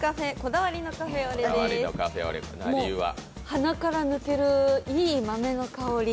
鼻から抜けるいい豆の香り